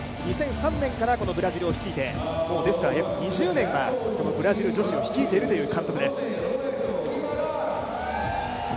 ２００３年からこのブラジルを率いてですからもう２０年はこのブラジル女子を率いている監督です。